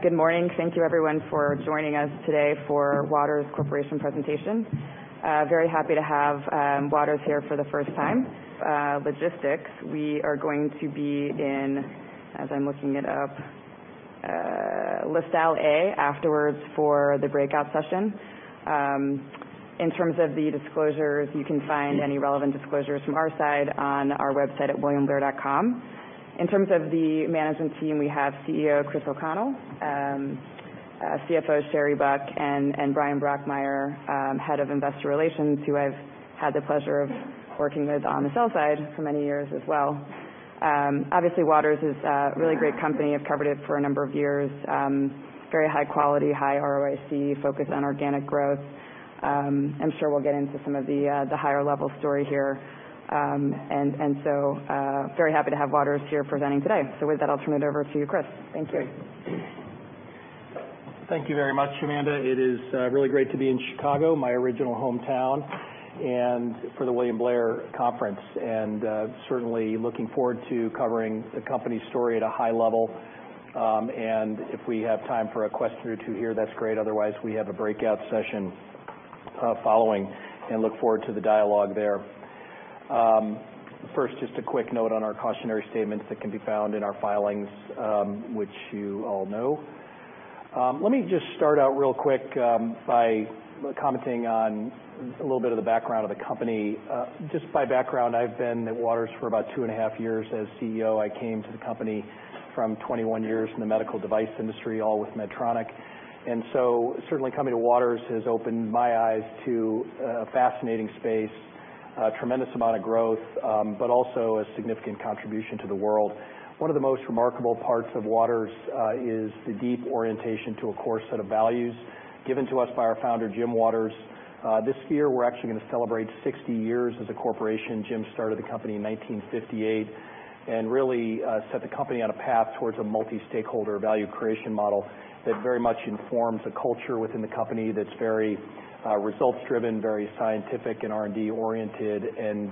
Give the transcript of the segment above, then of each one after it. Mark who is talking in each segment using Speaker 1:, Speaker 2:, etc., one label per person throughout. Speaker 1: Good morning. Thank you, everyone, for joining us today for Waters Corporation presentation. Very happy to have Waters here for the first time. Logistics, we are going to be in, as I'm looking it up, Lisle A afterwards for the breakout session. In terms of the disclosures, you can find any relevant disclosures from our side on our website at williamblair.com. In terms of the management team, we have CEO Chris O'Connell, CFO Sherry Buck, and Bryan Brokmeier, Head of Investor Relations, who I've had the pleasure of working with on the sell side for many years as well. Obviously, Waters is a really great company. I've covered it for a number of years. Very high quality, high ROIC, focused on organic growth. I'm sure we'll get into some of the higher level story here, and so very happy to have Waters here presenting today. So with that, I'll turn it over to Chris. Thank you.
Speaker 2: Thank you very much, Amanda. It is really great to be in Chicago, my original hometown, for the William Blair Conference, and certainly looking forward to covering the company story at a high level, and if we have time for a question or two here, that's great. Otherwise, we have a breakout session following, and look forward to the dialogue there. First, just a quick note on our cautionary statements that can be found in our filings, which you all know. Let me just start out real quick by commenting on a little bit of the background of the company. Just by background, I've been at Waters for about two and a half years as CEO. I came to the company from 21 years in the medical device industry, all with Medtronic. Certainly coming to Waters has opened my eyes to a fascinating space, a tremendous amount of growth, but also a significant contribution to the world. One of the most remarkable parts of Waters is the deep orientation to a core set of values given to us by our founder, Jim Waters. This year, we're actually going to celebrate 60 years as a corporation. Jim started the company in 1958 and really set the company on a path towards a multi-stakeholder value creation model that very much informs the culture within the company that's very results-driven, very scientific and R&D-oriented, and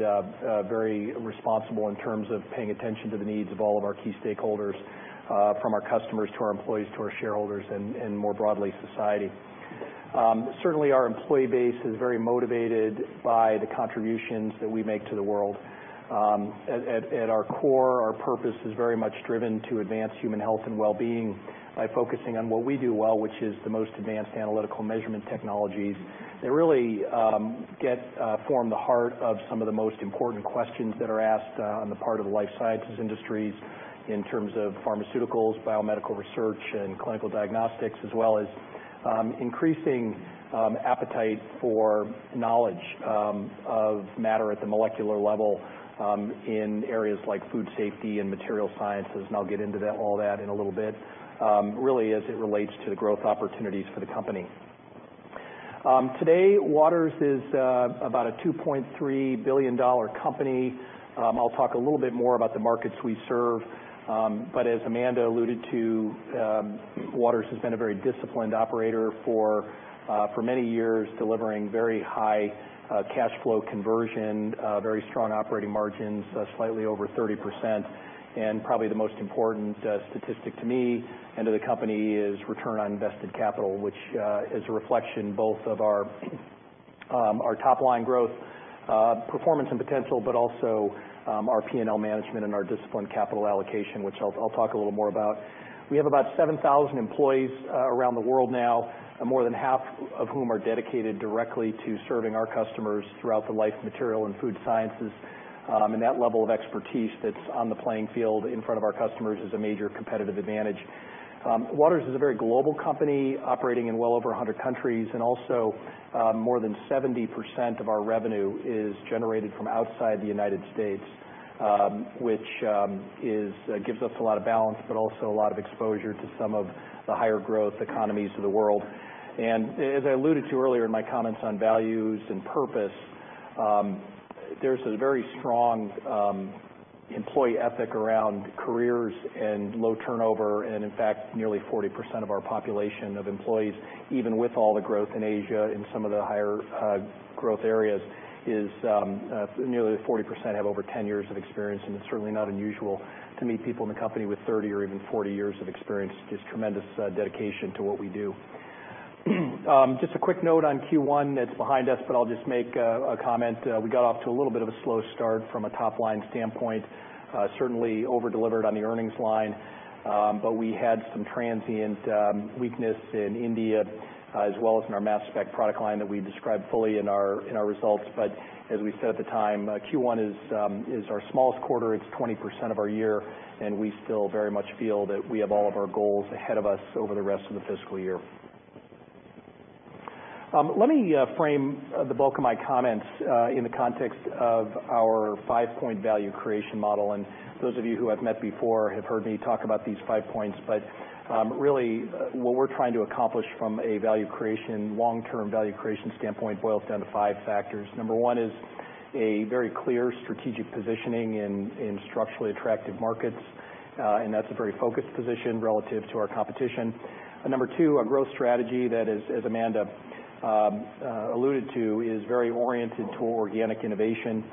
Speaker 2: very responsible in terms of paying attention to the needs of all of our key stakeholders, from our customers to our employees to our shareholders and more broadly society. Certainly, our employee base is very motivated by the contributions that we make to the world. At our core, our purpose is very much driven to advance human health and well-being by focusing on what we do well, which is the most advanced analytical measurement technologies that really form the heart of some of the most important questions that are asked on the part of the life sciences industries in terms of pharmaceuticals, biomedical research, and clinical diagnostics, as well as increasing appetite for knowledge of matter at the molecular level in areas like food safety and materials sciences. And I'll get into all that in a little bit, really as it relates to the growth opportunities for the company. Today, Waters is about a $2.3 billion company. I'll talk a little bit more about the markets we serve. But as Amanda alluded to, Waters has been a very disciplined operator for many years, delivering very high cash flow conversion, very strong operating margins, slightly over 30%. And probably the most important statistic to me and to the company is Return on Invested Capital, which is a reflection both of our top-line growth performance and potential, but also our P&L management and our disciplined capital allocation, which I'll talk a little more about. We have about 7,000 employees around the world now, more than half of whom are dedicated directly to serving our customers throughout the life, material, and food sciences. And that level of expertise that's on the playing field in front of our customers is a major competitive advantage. Waters is a very global company operating in well over 100 countries. And also, more than 70% of our revenue is generated from outside the United States, which gives us a lot of balance, but also a lot of exposure to some of the higher growth economies of the world. And as I alluded to earlier in my comments on values and purpose, there's a very strong employee ethic around careers and low turnover. And in fact, nearly 40% of our population of employees, even with all the growth in Asia and some of the higher growth areas, nearly 40% have over 10 years of experience. And it's certainly not unusual to meet people in the company with 30 or even 40 years of experience. Just tremendous dedication to what we do. Just a quick note on Q1 that's behind us, but I'll just make a comment. We got off to a little bit of a slow start from a top-line standpoint, certainly over-delivered on the earnings line. But we had some transient weakness in India, as well as in our mass spec product line that we described fully in our results. But as we said at the time, Q1 is our smallest quarter. It's 20% of our year. And we still very much feel that we have all of our goals ahead of us over the rest of the fiscal year. Let me frame the bulk of my comments in the context of our five-point value creation model. And those of you who I've met before have heard me talk about these five points. But really, what we're trying to accomplish from a value creation, long-term value creation standpoint, boils down to five factors. Number one is a very clear strategic positioning in structurally attractive markets. That's a very focused position relative to our competition. Number two, a growth strategy that, as Amanda alluded to, is very oriented toward organic innovation.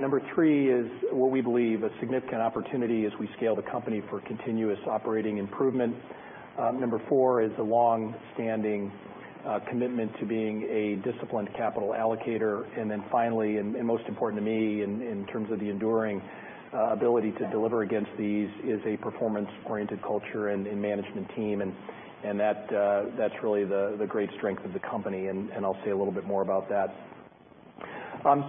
Speaker 2: Number three is what we believe a significant opportunity as we scale the company for continuous operating improvement. Number four is a long-standing commitment to being a disciplined capital allocator. And then finally, and most important to me in terms of the enduring ability to deliver against these, is a performance-oriented culture and management team. And that's really the great strength of the company. And I'll say a little bit more about that.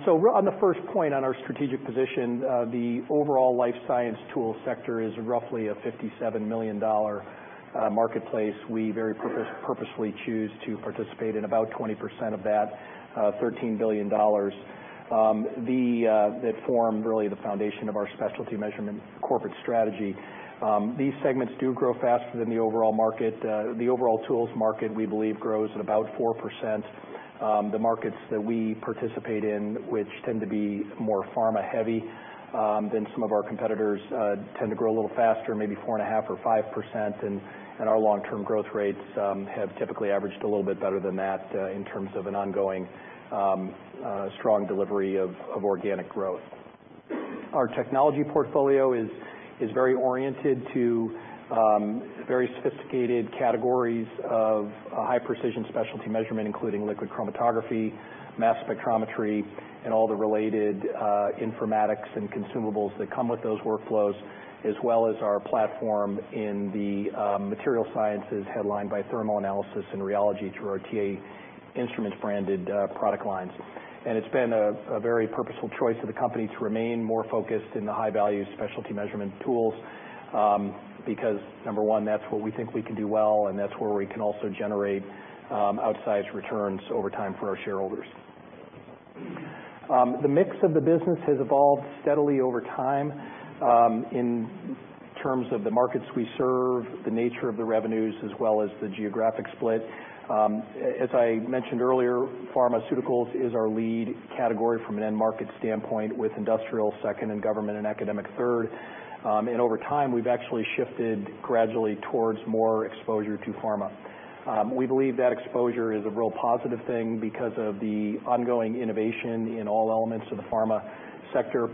Speaker 2: So on the first point on our strategic position, the overall life science tool sector is roughly a $57 million marketplace. We very purposely choose to participate in about 20% of that, $13 billion, that form really the foundation of our specialty measurement corporate strategy. These segments do grow faster than the overall market. The overall tools market, we believe, grows at about 4%. The markets that we participate in, which tend to be more pharma-heavy than some of our competitors, tend to grow a little faster, maybe 4.5% or 5%. And our long-term growth rates have typically averaged a little bit better than that in terms of an ongoing strong delivery of organic growth. Our technology portfolio is very oriented to very sophisticated categories of high-precision specialty measurement, including liquid chromatography, mass spectrometry, and all the related informatics and consumables that come with those workflows, as well as our platform in the materials sciences headline by thermal analysis and rheology through our TA Instruments-branded product lines. It's been a very purposeful choice of the company to remain more focused in the high-value specialty measurement tools because, number one, that's what we think we can do well. And that's where we can also generate outsized returns over time for our shareholders. The mix of the business has evolved steadily over time in terms of the markets we serve, the nature of the revenues, as well as the geographic split. As I mentioned earlier, pharmaceuticals is our lead category from an end market standpoint, with industrial second and government and academic third. And over time, we've actually shifted gradually towards more exposure to pharma. We believe that exposure is a real positive thing because of the ongoing innovation in all elements of the pharma sector.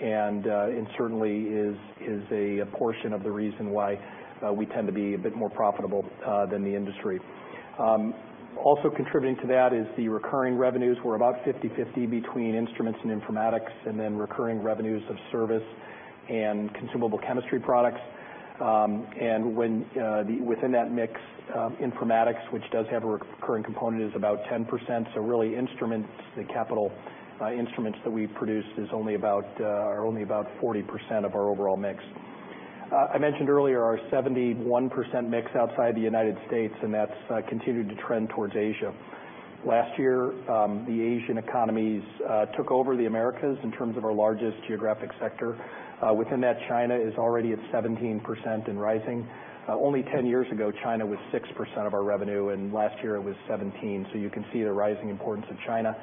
Speaker 2: And it certainly is a portion of the reason why we tend to be a bit more profitable than the industry. Also contributing to that is the recurring revenues. We're about 50/50 between instruments and informatics, and then recurring revenues of service and consumable chemistry products. And within that mix, informatics, which does have a recurring component, is about 10%. So really, instruments, the capital instruments that we produce are only about 40% of our overall mix. I mentioned earlier our 71% mix outside the United States, and that's continued to trend towards Asia. Last year, the Asian economies took over the Americas in terms of our largest geographic sector. Within that, China is already at 17% and rising. Only 10 years ago, China was 6% of our revenue. And last year, it was 17%. So you can see the rising importance of China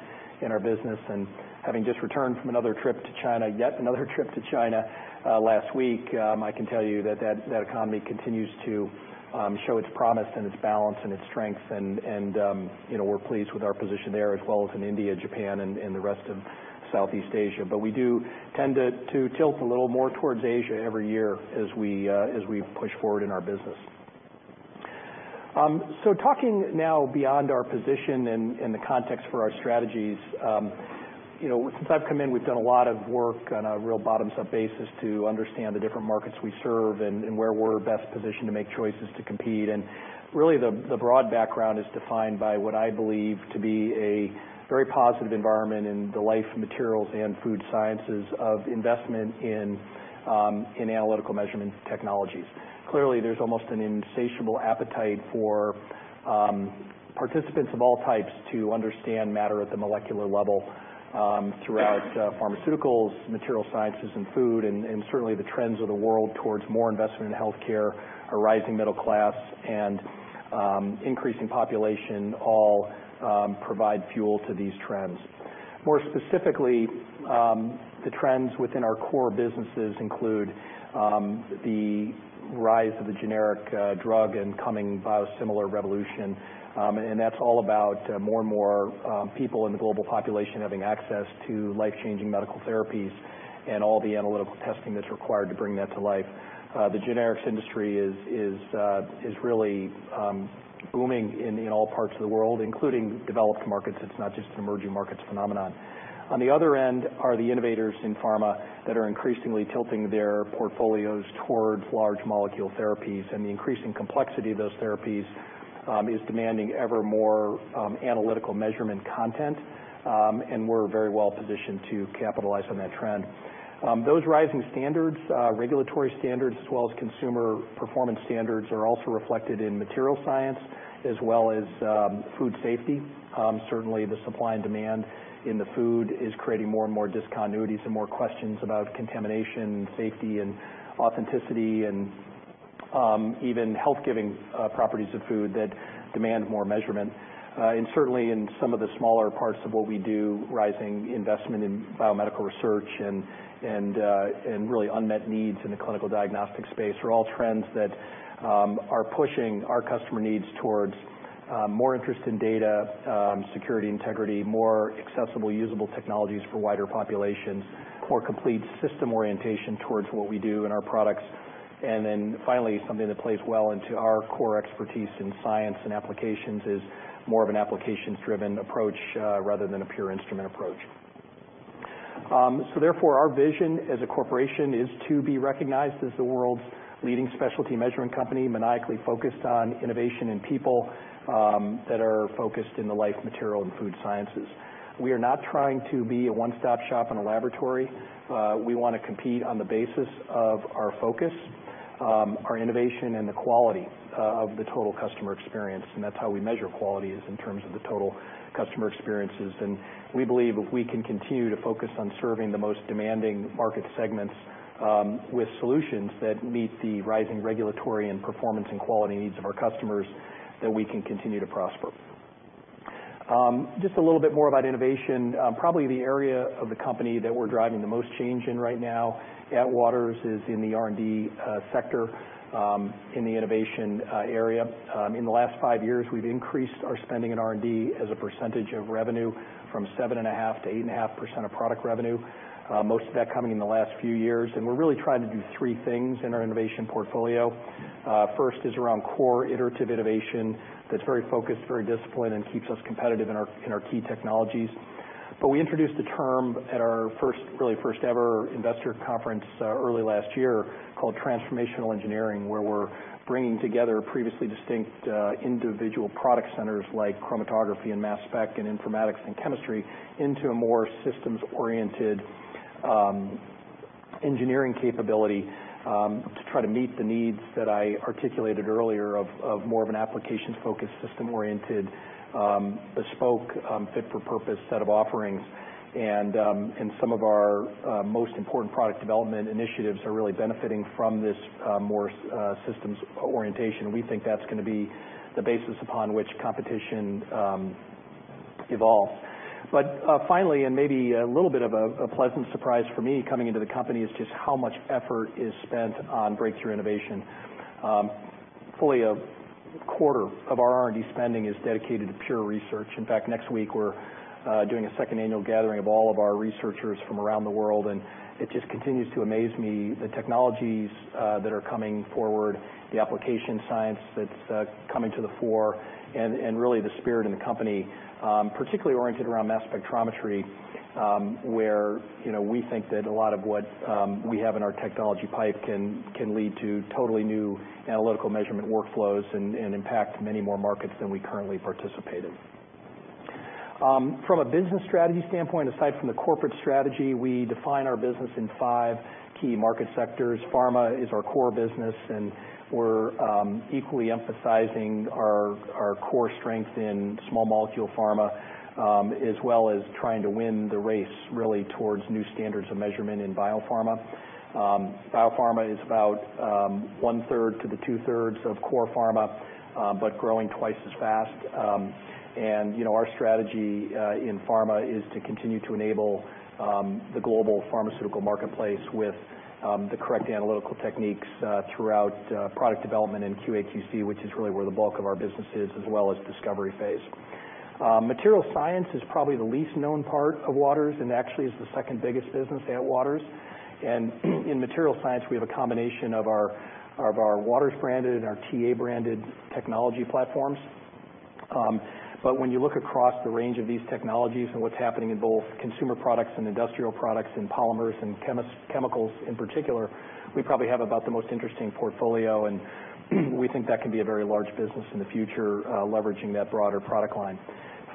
Speaker 2: in our business. And having just returned from another trip to China, yet another trip to China last week, I can tell you that that economy continues to show its promise and its balance and its strength. And we're pleased with our position there, as well as in India, Japan, and the rest of Southeast Asia. But we do tend to tilt a little more towards Asia every year as we push forward in our business. So talking now beyond our position and the context for our strategies, since I've come in, we've done a lot of work on a real bottoms-up basis to understand the different markets we serve and where we're best positioned to make choices to compete. And really, the broad background is defined by what I believe to be a very positive environment in the life sciences, materials, and food sciences of investment in analytical measurement technologies. Clearly, there's almost an insatiable appetite for participants of all types to understand matter at the molecular level throughout pharmaceuticals, materials sciences, and food. And certainly, the trends of the world towards more investment in healthcare, a rising middle class, and increasing population all provide fuel to these trends. More specifically, the trends within our core businesses include the rise of the generic drug and coming biosimilar revolution. And that's all about more and more people in the global population having access to life-changing medical therapies and all the analytical testing that's required to bring that to life. The generics industry is really booming in all parts of the world, including developed markets. It's not just an emerging markets phenomenon. On the other end are the innovators in pharma that are increasingly tilting their portfolios towards large molecule therapies. And the increasing complexity of those therapies is demanding ever more analytical measurement content. And we're very well positioned to capitalize on that trend. Those rising standards, regulatory standards, as well as consumer performance standards, are also reflected in materials science as well as food safety. Certainly, the supply and demand in the food is creating more and more discontinuities and more questions about contamination and safety and authenticity and even health-giving properties of food that demand more measurement. And certainly, in some of the smaller parts of what we do, rising investment in biomedical research and really unmet needs in the clinical diagnostics space are all trends that are pushing our customer needs towards more interest in data, security, integrity, more accessible, usable technologies for wider populations, more complete system orientation towards what we do in our products. And then finally, something that plays well into our core expertise in science and applications is more of an applications-driven approach rather than a pure instrument approach. So therefore, our vision as a corporation is to be recognized as the world's leading specialty measurement company, maniacally focused on innovation in people that are focused in the life material and food sciences. We are not trying to be a one-stop shop in a laboratory. We want to compete on the basis of our focus, our innovation, and the quality of the total customer experience. And that's how we measure quality is in terms of the total customer experiences. And we believe if we can continue to focus on serving the most demanding market segments with solutions that meet the rising regulatory and performance and quality needs of our customers, that we can continue to prosper. Just a little bit more about innovation. Probably the area of the company that we're driving the most change in right now at Waters is in the R&D sector in the innovation area. In the last five years, we've increased our spending in R&D as a percentage of revenue from 7.5% to 8.5% of product revenue, most of that coming in the last few years. And we're really trying to do three things in our innovation portfolio. First is around core iterative innovation that's very focused, very disciplined, and keeps us competitive in our key technologies. But we introduced the term at our really first-ever investor conference early last year called transformational engineering, where we're bringing together previously distinct individual product centers like chromatography and mass spec and informatics and chemistry into a more systems-oriented engineering capability to try to meet the needs that I articulated earlier of more of an application-focused, system-oriented, bespoke, fit-for-purpose set of offerings. And some of our most important product development initiatives are really benefiting from this more systems orientation. We think that's going to be the basis upon which competition evolves. But finally, and maybe a little bit of a pleasant surprise for me coming into the company is just how much effort is spent on breakthrough innovation. Fully, a quarter of our R&D spending is dedicated to pure research. In fact, next week, we're doing a second annual gathering of all of our researchers from around the world. It just continues to amaze me, the technologies that are coming forward, the application science that's coming to the fore, and really the spirit in the company, particularly oriented around mass spectrometry, where we think that a lot of what we have in our technology pipe can lead to totally new analytical measurement workflows and impact many more markets than we currently participate in. From a business strategy standpoint, aside from the corporate strategy, we define our business in five key market sectors. Pharma is our core business. We're equally emphasizing our core strength in small molecule pharma, as well as trying to win the race really towards new standards of measurement in biopharma. Biopharma is about one-third to the two-thirds of core pharma, but growing twice as fast. Our strategy in pharma is to continue to enable the global pharmaceutical marketplace with the correct analytical techniques throughout product development and QAQC, which is really where the bulk of our business is, as well as discovery phase. Materials science is probably the least known part of Waters and actually is the second biggest business at Waters. In materials science, we have a combination of our Waters-branded and our TA-branded technology platforms. When you look across the range of these technologies and what's happening in both consumer products and industrial products and polymers and chemicals in particular, we probably have about the most interesting portfolio. We think that can be a very large business in the future, leveraging that broader product line.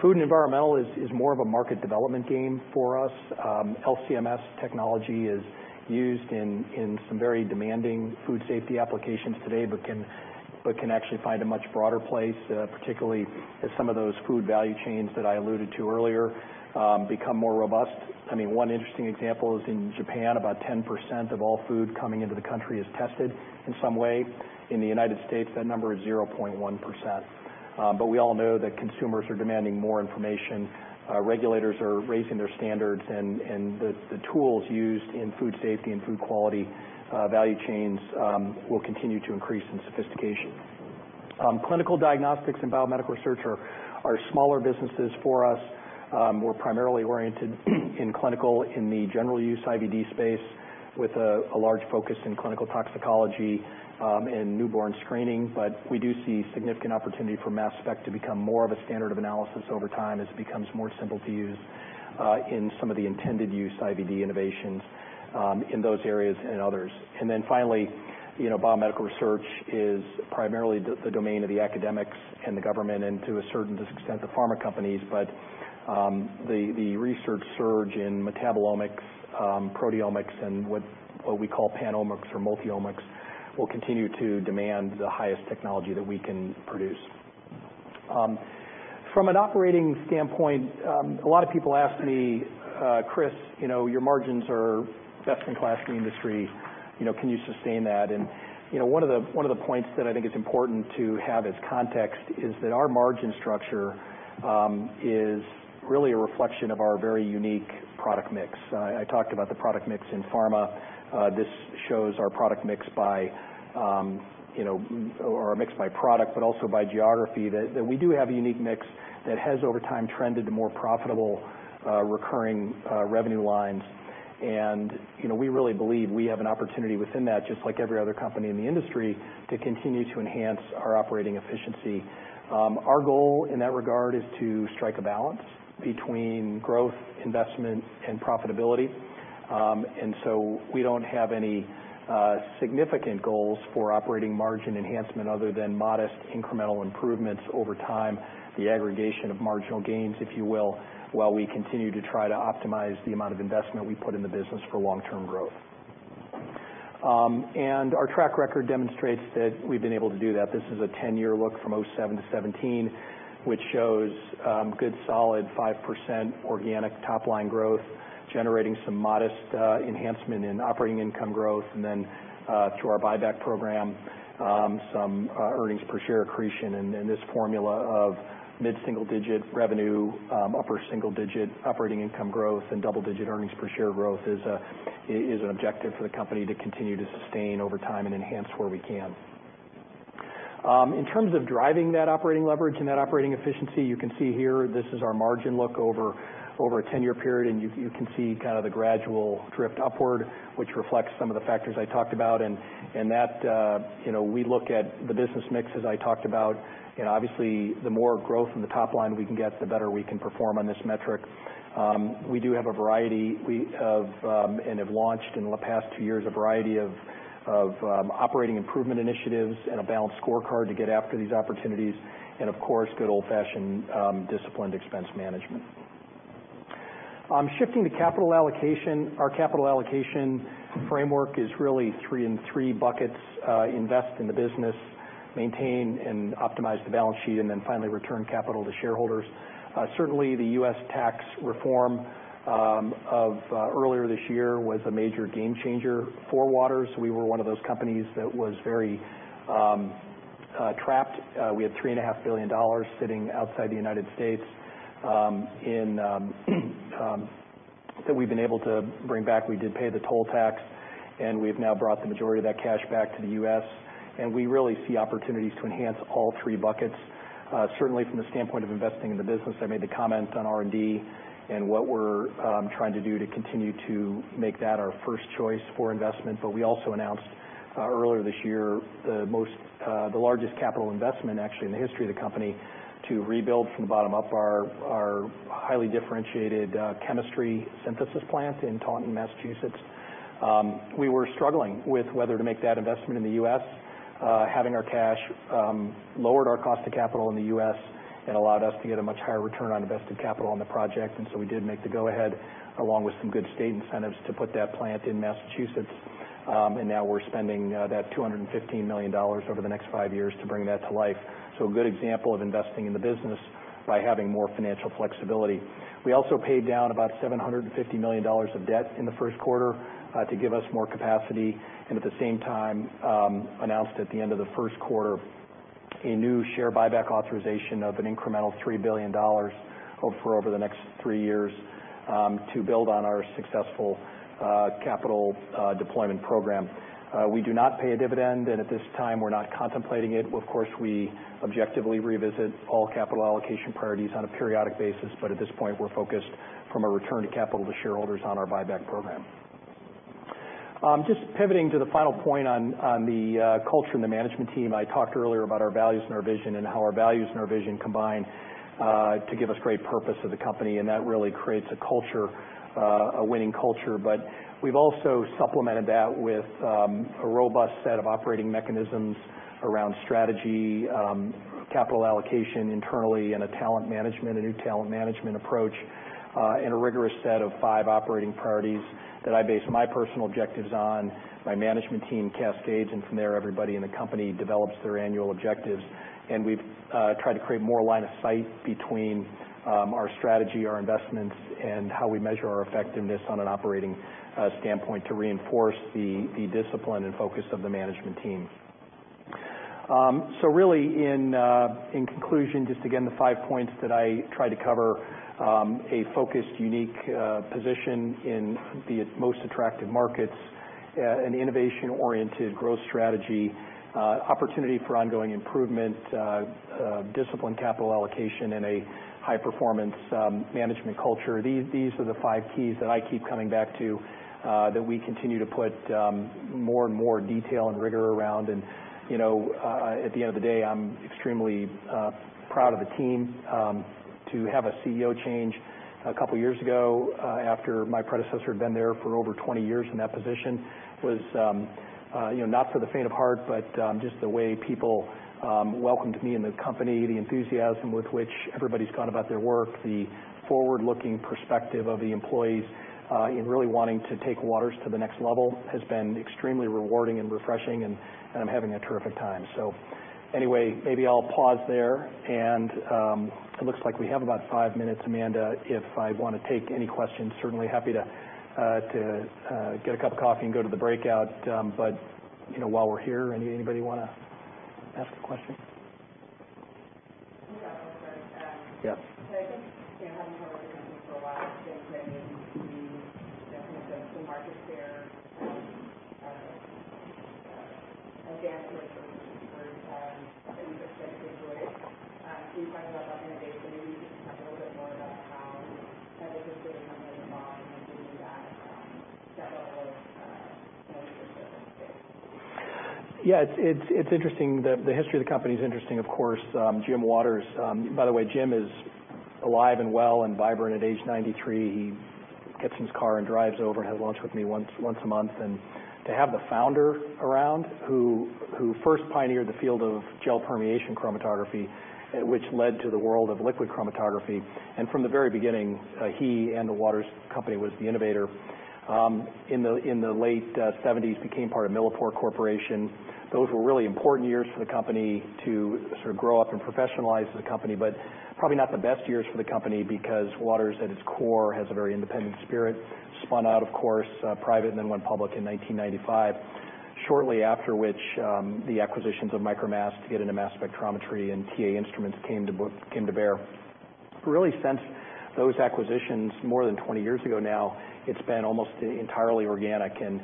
Speaker 2: Food and environmental is more of a market development game for us. LC-MS technology is used in some very demanding food safety applications today but can actually find a much broader place, particularly as some of those food value chains that I alluded to earlier become more robust. I mean, one interesting example is in Japan, about 10% of all food coming into the country is tested in some way. In the United States, that number is 0.1%. But we all know that consumers are demanding more information. Regulators are raising their standards. And the tools used in food safety and food quality value chains will continue to increase in sophistication. Clinical diagnostics and biomedical research are smaller businesses for us. We're primarily oriented in clinical in the general use IVD space with a large focus in clinical toxicology and newborn screening. But we do see significant opportunity for mass spec to become more of a standard of analysis over time as it becomes more simple to use in some of the intended use IVD innovations in those areas and others. And then finally, biomedical research is primarily the domain of the academics and the government and, to a certain extent, the pharma companies. But the research surge in metabolomics, proteomics, and what we call panomics or multiomics will continue to demand the highest technology that we can produce. From an operating standpoint, a lot of people ask me, "Chris, your margins are best in class in the industry. Can you sustain that?" And one of the points that I think is important to have as context is that our margin structure is really a reflection of our very unique product mix. I talked about the product mix in pharma. This shows our product mix by our mix by product, but also by geography, that we do have a unique mix that has, over time, trended to more profitable recurring revenue lines. And we really believe we have an opportunity within that, just like every other company in the industry, to continue to enhance our operating efficiency. Our goal in that regard is to strike a balance between growth, investment, and profitability. And so we don't have any significant goals for operating margin enhancement other than modest incremental improvements over time, the aggregation of marginal gains, if you will, while we continue to try to optimize the amount of investment we put in the business for long-term growth. And our track record demonstrates that we've been able to do that. This is a 10-year look from 2007 to 2017, which shows good solid 5% organic top-line growth, generating some modest enhancement in operating income growth. And then, through our buyback program, some earnings per share accretion. And this formula of mid-single-digit revenue, upper single-digit operating income growth, and double-digit earnings per share growth is an objective for the company to continue to sustain over time and enhance where we can. In terms of driving that operating leverage and that operating efficiency, you can see here, this is our margin look over a 10-year period. And you can see kind of the gradual drift upward, which reflects some of the factors I talked about. And we look at the business mix, as I talked about. And obviously, the more growth in the top line we can get, the better we can perform on this metric. We do have a variety and have launched in the past two years a variety of operating improvement initiatives and a balanced scorecard to get after these opportunities, and of course, good old-fashioned disciplined expense management. Shifting to capital allocation, our capital allocation framework is really three in three buckets: invest in the business, maintain and optimize the balance sheet, and then finally return capital to shareholders. Certainly, the U.S. tax reform earlier this year was a major game changer for Waters. We were one of those companies that was very trapped. We had $3.5 billion sitting outside the United States that we've been able to bring back. We did pay the toll tax, and we've now brought the majority of that cash back to the U.S. And we really see opportunities to enhance all three buckets. Certainly, from the standpoint of investing in the business, I made the comment on R&D and what we're trying to do to continue to make that our first choice for investment. But we also announced earlier this year the largest capital investment, actually, in the history of the company to rebuild from the bottom up our highly differentiated chemistry synthesis plant in Taunton, Massachusetts. We were struggling with whether to make that investment in the U.S. Having our cash lowered our cost of capital in the U.S. and allowed us to get a much higher return on invested capital on the project. And so we did make the go-ahead along with some good state incentives to put that plant in Massachusetts. And now we're spending that $215 million over the next five years to bring that to life. So, a good example of investing in the business by having more financial flexibility. We also paid down about $750 million of debt in the first quarter to give us more capacity, and at the same time, announced at the end of the first quarter a new share buyback authorization of an incremental $3 billion for over the next three years to build on our successful capital deployment program. We do not pay a dividend, and at this time, we're not contemplating it. Of course, we objectively revisit all capital allocation priorities on a periodic basis, but at this point, we're focused from a return to capital to shareholders on our buyback program. Just pivoting to the final point on the culture and the management team, I talked earlier about our values and our vision and how our values and our vision combine to give us great purpose as a company, and that really creates a culture, a winning culture, but we've also supplemented that with a robust set of operating mechanisms around strategy, capital allocation internally, and a new talent management approach, and a rigorous set of five operating priorities that I base my personal objectives on, my management team cascades, and from there, everybody in the company develops their annual objectives, and we've tried to create more line of sight between our strategy, our investments, and how we measure our effectiveness on an operating standpoint to reinforce the discipline and focus of the management team. So really, in conclusion, just again, the five points that I tried to cover: a focused, unique position in the most attractive markets, an innovation-oriented growth strategy, opportunity for ongoing improvement, disciplined capital allocation, and a high-performance management culture. These are the five keys that I keep coming back to that we continue to put more and more detail and rigor around. And at the end of the day, I'm extremely proud of the team. To have a CEO change a couple of years ago after my predecessor had been there for over 20 years in that position was not for the faint of heart, but just the way people welcomed me in the company, the enthusiasm with which everybody's gone about their work, the forward-looking perspective of the employees in really wanting to take Waters to the next level has been extremely rewarding and refreshing. And I'm having a terrific time. So anyway, maybe I'll pause there. And it looks like we have about five minutes, Amanda. If I want to take any questions, certainly happy to get a cup of coffee and go to the breakout. But while we're here, anybody want to ask a question? Yeah. So I think, having worked with the company for a while, I think that maybe we kind of the market share, I don't know, advantage or disadvantage that we've expected to enjoy. So you talked about that innovation. Maybe you could just talk a little bit more about how has it been for the company over the long term in doing that level of leadership in the space? Yeah. It's interesting. The history of the company is interesting, of course. Jim Waters, by the way, Jim is alive and well and vibrant at age 93. He gets in his car and drives over and has lunch with me once a month, and to have the founder around who first pioneered the field of gel permeation chromatography, which led to the world of liquid chromatography, and from the very beginning, he and the Waters Company was the innovator. In the late 1970s, became part of Millipore Corporation. Those were really important years for the company to sort of grow up and professionalize as a company, but probably not the best years for the company because Waters, at its core, has a very independent spirit, spun out, of course, private, and then went public in 1995, shortly after which the acquisitions of Micromass to get into mass spectrometry and TA Instruments came to bear. But really, since those acquisitions more than 20 years ago now, it's been almost entirely organic. And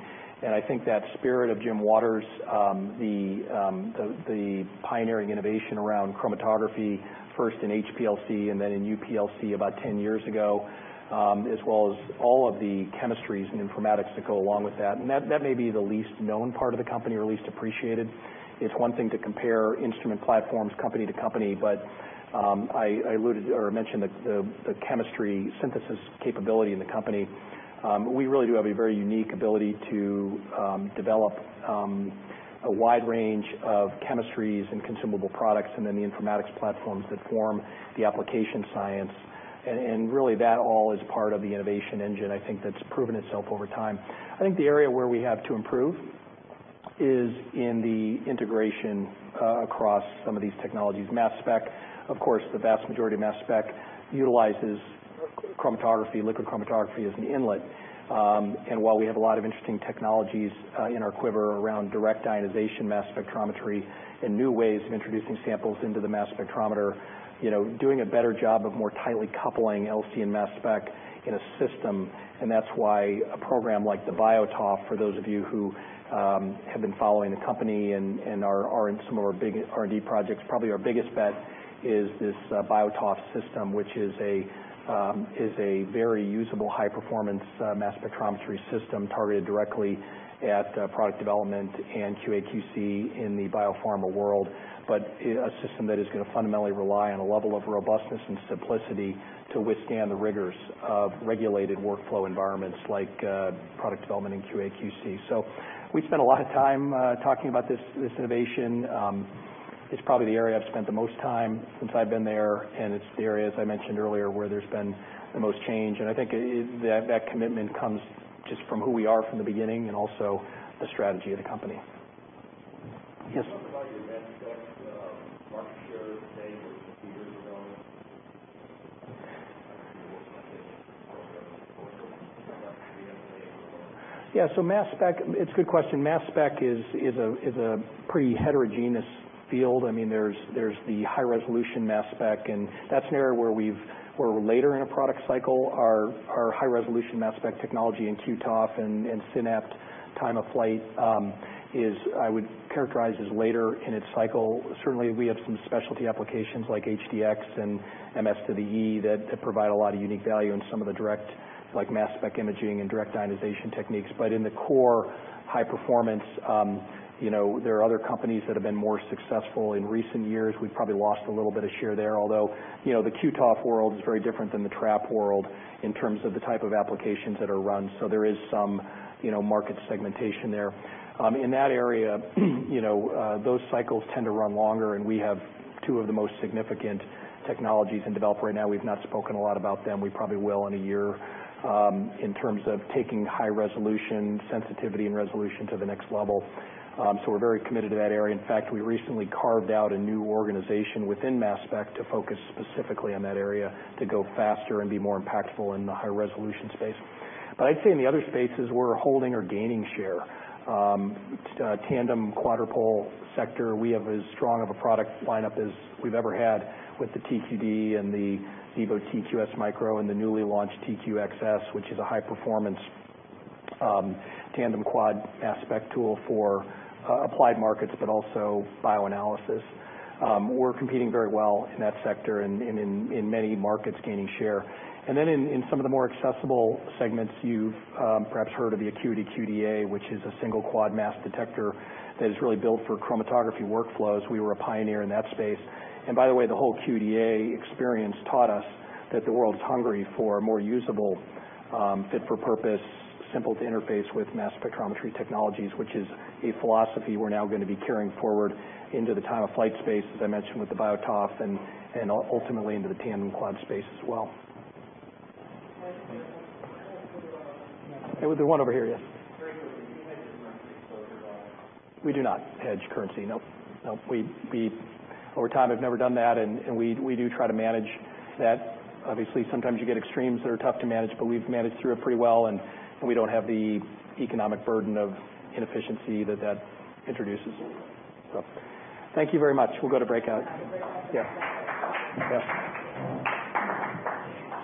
Speaker 2: I think that spirit of Jim Waters, the pioneering innovation around chromatography, first in HPLC and then in UPLC about 10 years ago, as well as all of the chemistries and informatics that go along with that. And that may be the least known part of the company or least appreciated. It's one thing to compare instrument platforms company to company. But I alluded or mentioned the chemistry synthesis capability in the company. We really do have a very unique ability to develop a wide range of chemistries and consumable products and then the informatics platforms that form the application science. And really, that all is part of the innovation engine, I think, that's proven itself over time. I think the area where we have to improve is in the integration across some of these technologies. Mass spec, of course, the vast majority of mass spec utilizes chromatography, liquid chromatography as an inlet. And while we have a lot of interesting technologies in our quiver around direct ionization, mass spectrometry, and new ways of introducing samples into the mass spectrometer, doing a better job of more tightly coupling LC and mass spec in a system. And that's why a program like the BioTOF, for those of you who have been following the company and are in some of our big R&D projects, probably our biggest bet is this BioTOF system, which is a very usable high-performance mass spectrometry system targeted directly at product development and QAQC in the biopharma world, but a system that is going to fundamentally rely on a level of robustness and simplicity to withstand the rigors of regulated workflow environments like product development and QAQC. So we spent a lot of time talking about this innovation. It's probably the area I've spent the most time since I've been there. And it's the area, as I mentioned earlier, where there's been the most change. And I think that commitment comes just from who we are from the beginning and also the strategy of the company. Yes? Talk about your mass spec market share today versus a few years ago. Yeah. So mass spec, it's a good question. Mass spec is a pretty heterogeneous field. I mean, there's the high-resolution mass spec. And that's an area where we're later in a product cycle. Our high-resolution mass spec technology in Q-TOF and Synapt time of flight is, I would characterize as later in its cycle. Certainly, we have some specialty applications like HDX and MS to the E that provide a lot of unique value in some of the direct, like mass spec imaging and direct ionization techniques. But in the core high-performance, there are other companies that have been more successful in recent years. We've probably lost a little bit of share there. Although the Q-TOF world is very different than the Orbitrap world in terms of the type of applications that are run. So there is some market segmentation there. In that area, those cycles tend to run longer. And we have two of the most significant technologies in development right now. We've not spoken a lot about them. We probably will in a year in terms of taking high-resolution sensitivity and resolution to the next level. So we're very committed to that area. In fact, we recently carved out a new organization within Mass Spec to focus specifically on that area to go faster and be more impactful in the high-resolution space. But I'd say in the other spaces, we're holding or gaining share. Tandem quadrupole sector, we have as strong of a product lineup as we've ever had with the TQD and the Xevo TQ-S micro and the newly launched Xevo TQ-XS, which is a high-performance tandem quad mass spec tool for applied markets, but also bioanalysis. We're competing very well in that sector and in many markets gaining share. And then in some of the more accessible segments, you've perhaps heard of the ACQUITY QDa, which is a single quad mass detector that is really built for chromatography workflows. We were a pioneer in that space. And by the way, the whole QDa experience taught us that the world is hungry for more usable, fit for purpose, simple to interface with mass spectrometry technologies, which is a philosophy we're now going to be carrying forward into the time of flight space, as I mentioned, with the BioTOF and ultimately into the tandem quad space as well. The one over here, yes. Do you hedge currency exposure by? We do not hedge currency. Nope. Nope. Over time, I've never done that. And we do try to manage that. Obviously, sometimes you get extremes that are tough to manage, but we've managed through it pretty well. And we don't have the economic burden of inefficiency that that introduces. So thank you very much. We'll go to breakout. Yeah. Yeah.